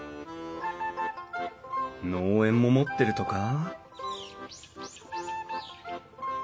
農園も持ってるとか？